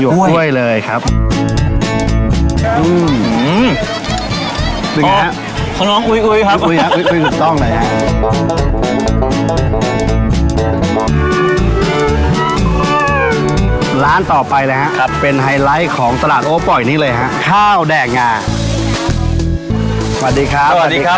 ไฮไลท์ของตลาดโอปอล์อีกนิดหนึ่งเลยฮะข้าวแดกงาสวัสดีครับสวัสดีครับผม